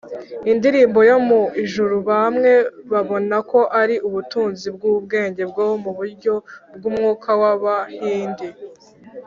indirimbo yo mu ijuru bamwe babona ko ari ubutunzi bw’ubwenge bwo mu buryo bw’umwuka bw’abahindi